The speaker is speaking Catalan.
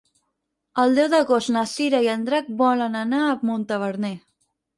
El deu d'agost na Cira i en Drac volen anar a Montaverner.